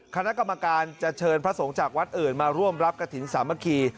คณะกรรมการจะเชิญพระสงฆ์จากวัดอื่นมาร่วมรับกระถิ่นสามัคคี